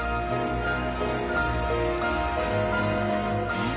えっ？